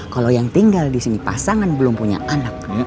kalo yang tinggal disini pasangan belum punya anak